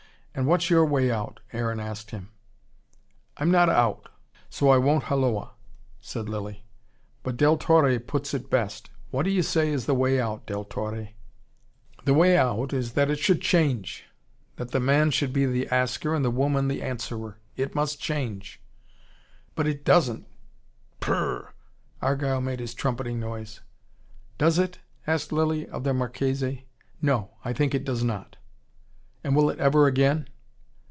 "And what's your way out?" Aaron asked him. "I'm not out so I won't holloa," said Lilly. "But Del Torre puts it best. What do you say is the way out, Del Torre?" "The way out is that it should change: that the man should be the asker and the woman the answerer. It must change." "But it doesn't. Prrr!" Argyle made his trumpeting noise. "Does it?" asked Lilly of the Marchese. "No. I think it does not." "And will it ever again?"